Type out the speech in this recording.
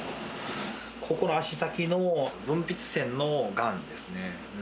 ここの足先の分泌腺のがんですね。